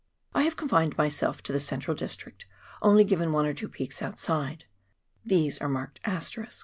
I have confined myself to the central district, only giving one or two peaks outside — these are marked *:— Feet.